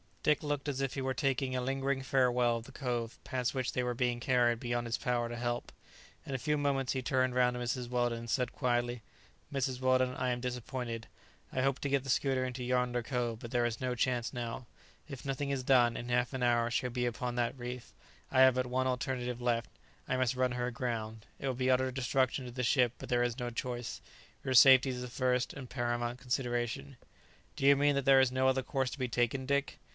Dick looked as if he were taking a lingering farewell of the cove past which they were being carried beyond his power to help. In a few moments he turned round to Mrs. Weldon, and said quietly, "Mrs. Weldon, I am disappointed. I hoped to get the schooner into yonder cove; but there is no chance now; if nothing is done, in half an hour she will be upon that reef. I have but one alternative left. I must run her aground. It will be utter destruction to the ship, but there is no choice. Your safety is the first and paramount consideration." "Do you mean that there is no other course to be taken, Dick?"